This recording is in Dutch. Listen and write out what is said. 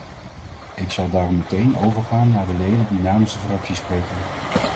Ik zal daarom meteen overgaan naar de leden die namens de fracties spreken.